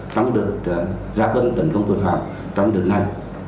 trong đợt ra cân tấn công thuật phạm trong đợt này